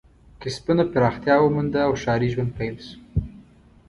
کسبونه پراختیا ومونده او ښاري ژوند پیل شو.